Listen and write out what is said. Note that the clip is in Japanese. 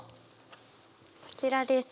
こちらです。